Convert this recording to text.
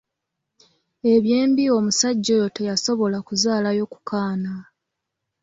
Eby'embi omusajja oyo teyasobola kuzaalayo ku kaana.